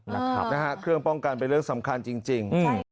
นะฮะเครื่องป้องกันเป็นเรื่องสำคัญจริง